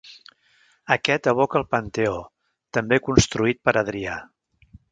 Aquest evoca al Panteó, també construït per Adrià.